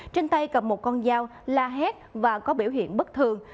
trên tay cầm một con dao la hét và có biểu hiện bất thường